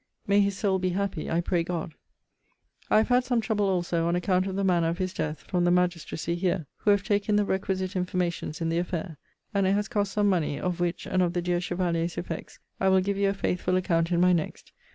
May his soul be happy, I pray God! I have had some trouble also, on account of the manner of his death, from the magistracy here: who have taken the requisite informations in the affair. And it has cost some money. Of which, and of the dear chevalier's effects, I will give you a faithful account in my next.